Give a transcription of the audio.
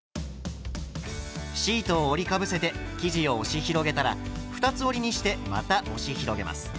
シートを折りかぶせて生地を押し広げたら二つ折りにしてまた押し広げます。